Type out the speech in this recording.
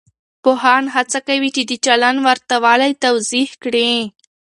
پوهان هڅه کوي چې د چلند ورته والی توضیح کړي.